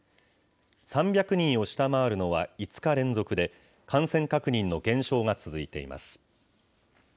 ３００人を下回るのは５日連続で、感染確認の減少が続いています。